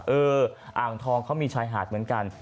เอออ่างทองเขามีชายหาดเหมือนกัน